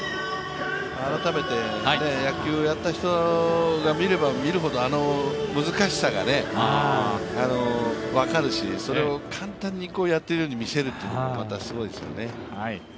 改めて野球をやった人が見れば見るほど難しさが分かるしそれを簡単にやっているように見せるというのもまたすごいですよね。